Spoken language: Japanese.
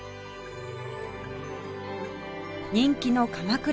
人気の鎌倉